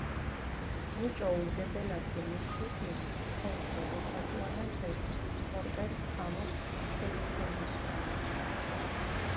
მუჭო ურგებელათ გინიფრთუთინ, თოლს ვადუფაჭუანან თეშ, ყორყელს ხამუს ქეგთომისვანა.